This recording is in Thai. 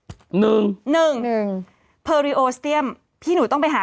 กรมป้องกันแล้วก็บรรเทาสาธารณภัยนะคะ